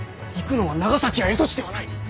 行くのは長崎や蝦夷地ではない。